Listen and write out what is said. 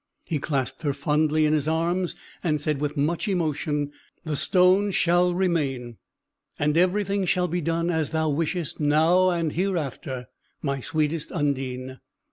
He clasped her fondly in his arms, and said with much emotion, "The stone shall remain; and everything shall be done as thou wishest, now and hereafter, my sweetest Undine."